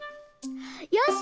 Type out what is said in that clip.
よし！